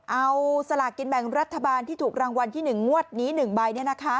เอาสลากกินแบ่งรัฐบาลที่ถูกรางวัลที่๑งวดนี้๑ใบ